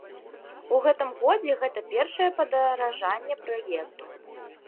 У гэтым годзе гэта першае падаражанне праезду.